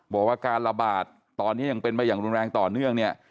บอกว่าการระบาดตอนนี้ยังเป็นมาอย่างรุนแรงต่อเนื่องเนี่ย